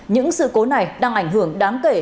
những sự cố này đang ảnh hưởng đáng kể